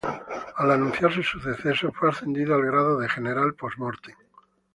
Al anunciarse su deceso fue ascendido al grado de general post-mortem.